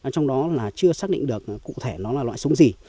trong đó là chưa xác định được cụ thể nó là loại súng gì